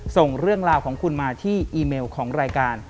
ส่งเรื่องราวของคุณมาที่อีเมลของรายการ